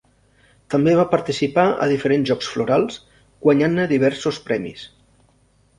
També va participar a diferents Jocs Florals, guanyant-ne diversos premis.